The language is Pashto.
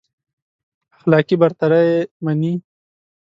اخلاقي برتري يې مني.